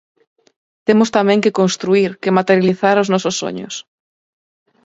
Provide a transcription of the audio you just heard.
Temos tamén que construír, que materializar os nosos soños.